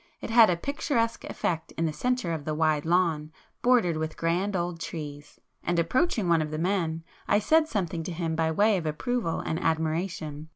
It had a picturesque effect in the centre of the wide lawn bordered with grand old trees,—and approaching one of the men, I said something to him by way of approval and admiration.